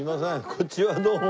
こんにちはどうも。